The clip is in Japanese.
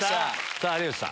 さぁ有吉さん。